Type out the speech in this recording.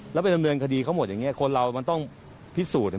แล้วไปดำเนินคดีเขาหมดอย่างนี้คนเรามันต้องพิสูจน์